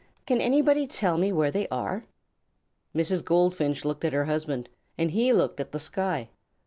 Can anybody tell me where they are?" Mrs. Goldfinch looked at her husband and he looked at the sky.